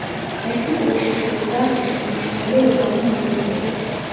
მექსიკური შიშველი ძაღლი შესამჩნევია უბალნო აგებულებით.